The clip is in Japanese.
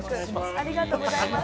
ありがとうございます。